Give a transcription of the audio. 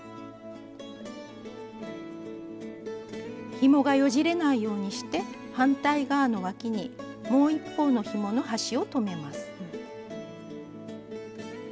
ひもがよじれないようにして反対側のわきにもう一方のひもの端を留めます。